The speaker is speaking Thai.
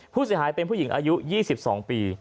ผู้เสียหายเป็นผู้หญิงอายุ๒๒ปี